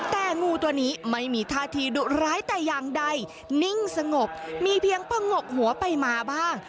แต่งูตัวนี้ไม่มีท่าทีดุร้ายแต่อย่างใดนิ่งสงบมีเพียงผงกหัวไปมาบ้าง